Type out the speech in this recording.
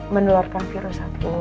menularkan virus aku